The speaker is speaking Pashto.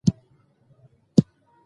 خلک ډېر وخت پرې خبرې نه کوي.